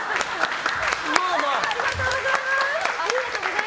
ありがとうございます。